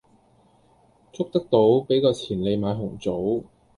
捉得到，俾個錢你買紅棗